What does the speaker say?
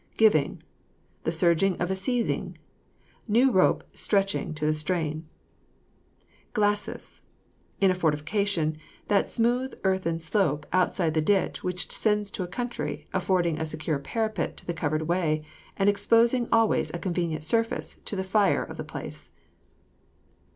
GIVING. The surging of a seizing; new rope stretching to the strain. GLACIS. In fortification, that smooth earthen slope outside the ditch which descends to the country, affording a secure parapet to the covered way, and exposing always a convenient surface to the fire of the place.